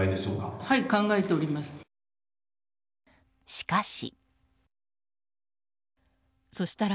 しかし。